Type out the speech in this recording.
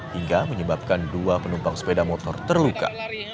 hingga menyebabkan dua penumpang sepeda motor terluka